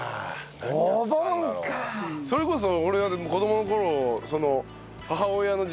それこそ俺は子供の頃。